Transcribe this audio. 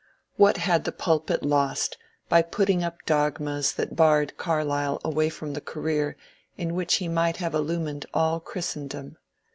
What had the pulpit lost by putting up dogmas that barred Carlyle away from the career in which he might have illumined all Christendom